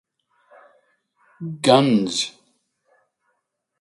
Guns.